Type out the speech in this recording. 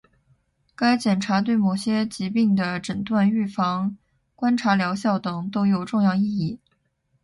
该检查对某些疾病的诊断、预防、观察疗效等都有重要意义